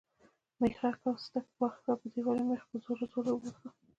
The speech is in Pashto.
مېخ او سټک واخیست او په دیوال کې یې مېخ په زور زور واهه.